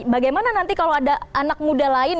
bagaimana nanti kalau ada anak muda lain